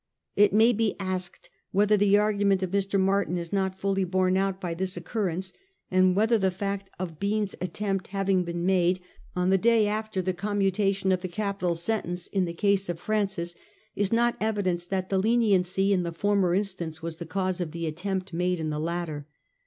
It may be asked whether the argument of Mr. Martin is not fully borne out by this occurrence, and whether the fact of Bean's attempt having been made on the day ICO A HISTORY OF OUR OWN TIMES. cn. vir. after the commutation of the capital sentence in the case of Fr ancis is not evidence that the leniency in the former instance was the cause of the attempt made in the latter.